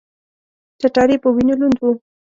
ټټر یې په وینو لوند و.